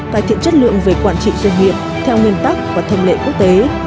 cải thiện chất lượng về quản trị doanh nghiệp theo nguyên tắc và thông lệ quốc tế